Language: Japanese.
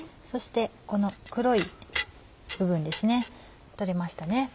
そしてこの黒い部分ですね取れましたね。